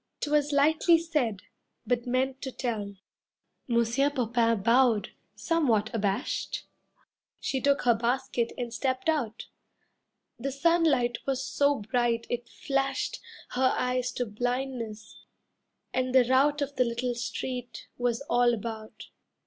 'Twas lightly said, but meant to tell. Monsieur Popain bowed, somewhat abashed. She took her basket and stepped out. The sunlight was so bright it flashed Her eyes to blindness, and the rout Of the little street was all about.